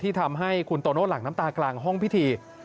ทำให้คุณโตโน่หลั่งน้ำตากลางห้องพิธี